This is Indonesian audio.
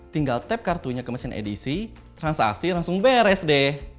tinggal tap kartunya ke mesin edisi transaksi langsung beres deh